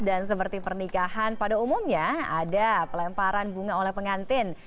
dan seperti pernikahan pada umumnya ada pelemparan bunga oleh pengantin